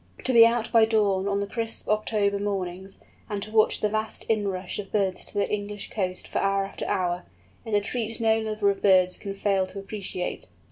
To be out by dawn on the crisp October mornings, and to watch the vast inrush of birds to the English coast for hour after hour, is a treat no lover of birds can fail to appreciate.